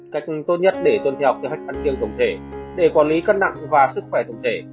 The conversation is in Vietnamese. cách tốt nhất để tuân theo kế hoạch tăng tiêu tổng thể để quản lý cân nặng và sức khỏe tổng thể